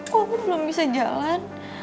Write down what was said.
kok aku belum bisa jalan